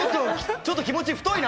ちょっと気持ち、太いな！